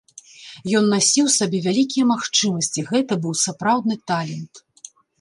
Ён насіў у сабе вялікія магчымасці, гэта быў сапраўдны талент.